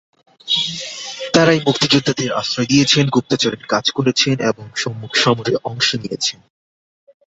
তাঁরাই মুক্তিযোদ্ধাদের আশ্রয় দিয়েছেন, গুপ্তচরের কাজ করেছেন এবং সম্মুখসমরে অংশ নিয়েছেন।